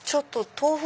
豆腐。